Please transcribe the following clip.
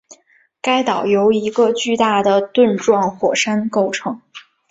该岛由一个巨大的盾状火山构成